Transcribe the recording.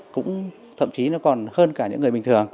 cũng thậm chí nó còn hơn cả những người bình thường